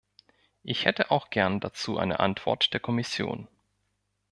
Ich hätte auch gern dazu eine Antwort der Kommission.